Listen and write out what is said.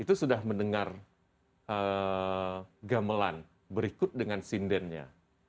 itu sudah mendengar gamelan berikut dengan sindennya